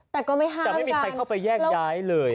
แต่ก็ไม่ห้ามแต่ไม่มีใครเข้าไปแยกย้ายเลย